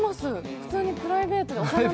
普通にプライベートで。